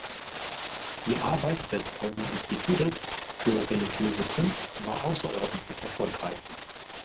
Die Arbeit des Kölner Institutes für religiöse Kunst war außerordentlich erfolgreich.